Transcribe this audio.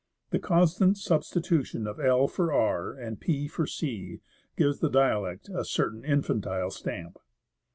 ^ The constant substitution of /. for r and of / for e gives the dialect a certain infantile stamp.